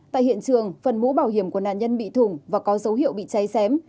tại hiện trường phần mũ bảo hiểm của nạn nhân bị thủng và có dấu hiệu bị cháy xém